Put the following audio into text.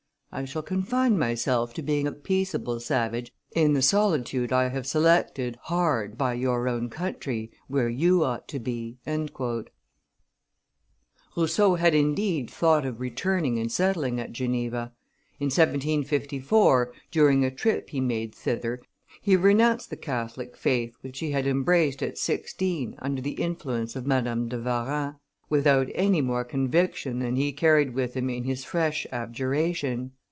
I shall confine myself to being a peaceable savage in the solitude I have selected hard by your own country, where you ought to be." Rousseau had, indeed, thought of returning and settling at Geneva. In 1754, during a trip he made thither, he renounced the Catholic faith which he had embraced at sixteen under the influence of Madame de Warens, without any more conviction than he carried with him in his fresh abjuration.